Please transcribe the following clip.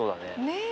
ねえ。